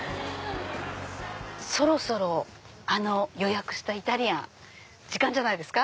そろそろ予約したイタリアン時間じゃないですか？